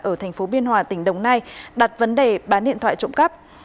ở thành phố biên hòa tỉnh đồng nai đặt vấn đề bán điện thoại trộm cắp